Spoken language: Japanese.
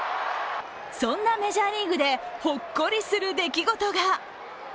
そんなメジャーリーグでほっこりする出来事が。